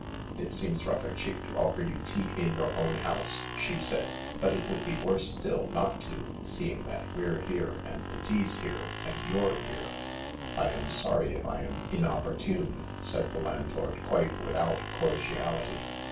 " It seems rather cheek to offer you tea in your own house," she said, " but it would be worse still not to, seeing that we're here and the tea's here and you're here." " I am sorry if I am inopportune," said the landlord, quite without cordiality.